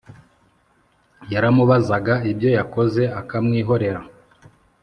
yaramubazaga ibyo yakoze akamwihorera